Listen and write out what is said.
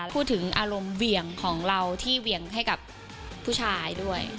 พูดถึงอารมณ์เหวี่ยงของเราที่เหวี่ยงให้กับผู้ชายด้วย